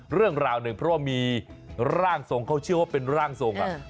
เรื่องราวหนึ่งเพราะว่ามีร่างทรงเขาเชื่อว่าเป็นร่างทรง